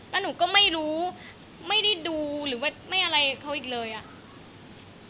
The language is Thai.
แล้วหนูก็ไม่รู้ไม่ได้ดูหรือว่าไม่อะไรเขาอีกเลยอ่ะ